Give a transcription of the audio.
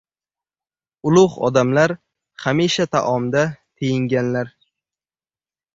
Ulug‘ odamlar hamisha taomda tiyinganlar.